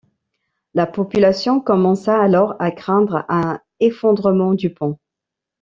La population commença alors à craindre un effondrement du pont.